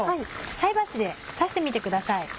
菜箸で刺してみてください。